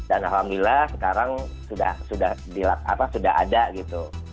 alhamdulillah sekarang sudah ada gitu